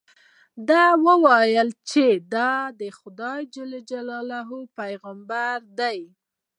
ده وویل چې دې د خدای جل جلاله پیغمبر دی.